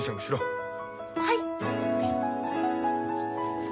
はい！